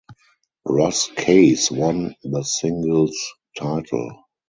Ross Case won the singles title.